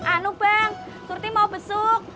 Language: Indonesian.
anu bang turki mau besuk